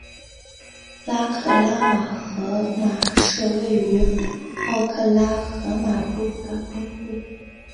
奥克拉荷马市位于奥克拉荷马州的中部。